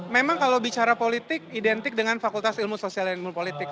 memang kalau bicara politik identik dengan fakultas ilmu sosial dan ilmu politik